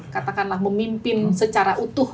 katakanlah memimpin secara utuh